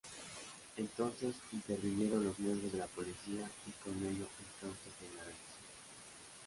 Entonces intervinieron los miembros de la Policía, y con ello el caos se generalizó.